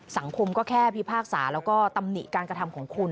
สังคมก็แค่พิพากษาแล้วก็ตำหนิการกระทำของคุณ